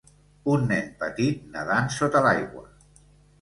Un nen petit nedant sota l'aigua